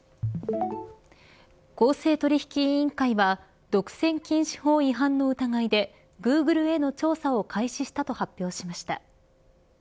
公正取引委員会は独占禁止法違反の疑いでグーグルへの調査を開始したと発表しました。